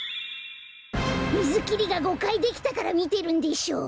みずきりが５かいできたからみてるんでしょう？